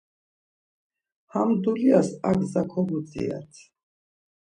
Ham dulyas ar gza kobudzirat.